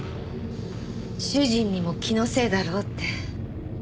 主人にも気のせいだろうって。